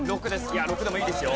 ６でもいいですよ。